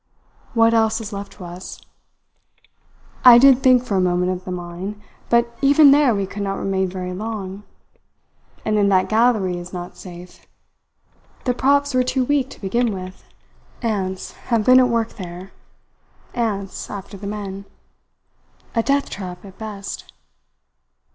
What else is left to us? I did think for a moment of the mine; but even there we could not remain very long. And then that gallery is not safe. The props were too weak to begin with. Ants have been at work there ants after the men. A death trap, at best.